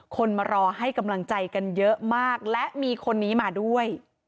คนมารอให้กำลังใจกันเยอะมากและมีคนนี้มาด้วย